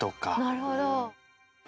なるほど。